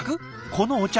このお茶